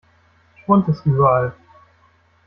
Schwund ist überall.